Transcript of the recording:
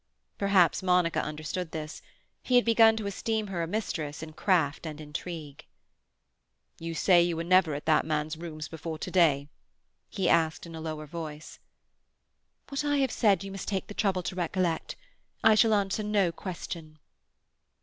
Perhaps Monica understood this; he had begun to esteem her a mistress in craft and intrigue. "You say you were never at that man's rooms before to day?" he asked in a lower voice. "What I have said you must take the trouble to recollect. I shall answer no question."